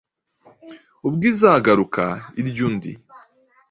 ubwo izagaruka irye undi,